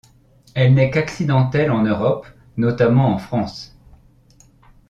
Elle n'est qu'accidentelle en Europe, notamment en France.